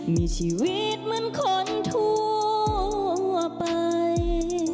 มีชีวิตเหมือนคนทั่วไป